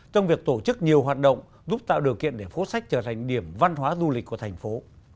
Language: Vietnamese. trong việc tổ chức nhiều hoạt động giúp tạo điều kiện để phố sách trở thành điểm văn hóa du lịch của thành phố